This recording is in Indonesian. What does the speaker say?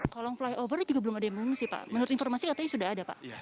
kalau flyover juga belum ada yang mengungsi pak menurut informasi katanya sudah ada pak